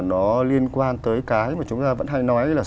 nó liên quan tới cái mà chúng ta vẫn hay nói là